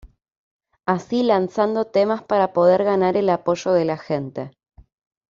Así lanzando temas para poder ganar el apoyo de la gente.